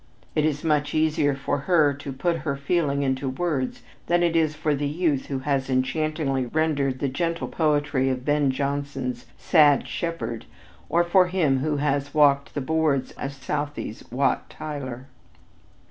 It is much easier for her to put her feeling into words than it is for the youth who has enchantingly rendered the gentle poetry of Ben Jonson's "Sad Shepherd," or for him who has walked the boards as Southey's Wat Tyler.